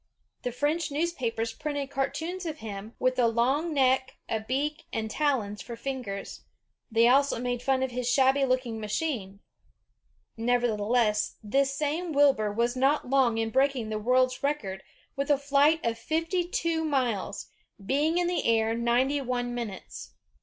The French new^apers printed cartoons of him, with a long neck, a beak, and talons for fingers; they also made fun of his shabby looking machine. Nevertheless, this same Wilbur was not long in breaking the world's record, with a flight of fifty two miles, being in the air ninety one minutes.